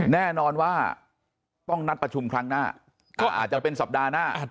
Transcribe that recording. แน่นอนว่าต้องนัดประชุมครั้งหน้าก็อาจจะเป็นสัปดาห์หน้า